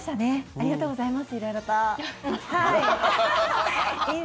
ありがとうございます。